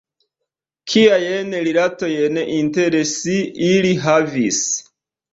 Kiajn rilatojn inter si ili havis?